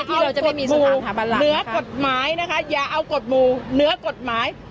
ที่เราจะไม่มีสถาปันหลักเนื้อกฎหมายนะคะอย่าเอากฎหมู่เนื้อกฎหมาย